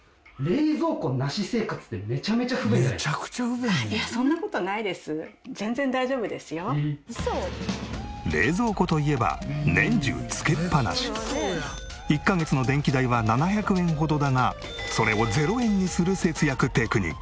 前ここに冷蔵庫といえば１カ月の電気代は７００円ほどだがそれを０円にする節約テクニック。